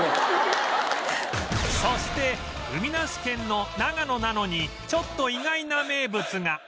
そして海なし県の長野なのにちょっと意外な名物が